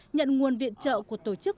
nhận nguồn viện trợ của tổ chức